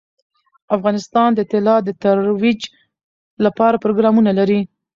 افغانستان د طلا د ترویج لپاره پروګرامونه لري.